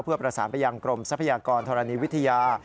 เพื่อประสานไปยังกรมทรัพยากรธรณีวิทยา